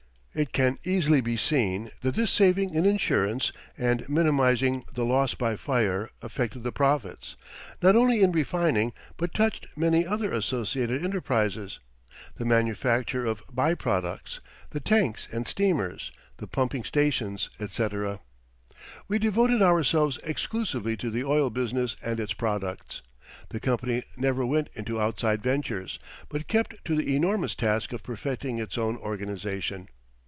It can easily be seen that this saving in insurance, and minimizing the loss by fire affected the profits, not only in refining, but touched many other associated enterprises: the manufacture of by products, the tanks and steamers, the pumping stations, etc. We devoted ourselves exclusively to the oil business and its products. The company never went into outside ventures, but kept to the enormous task of perfecting its own organization.